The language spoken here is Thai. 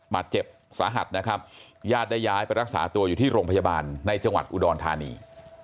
บาดเจ็บสาหัสนะครับญาติได้ย้ายไปรักษาตัวอยู่ที่โรงพยาบาลในจังหวัดอุดรธานี